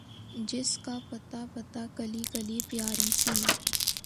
جس کا پتا پتا، کلی کلی پیاری سی